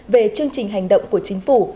về chương trình hành động của chính phủ